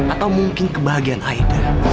atau mungkin kebahagiaan aida